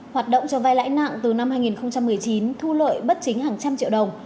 hoạt động cho vai lãi nặng từ năm hai nghìn một mươi chín thu lợi bất chính hàng trăm triệu đồng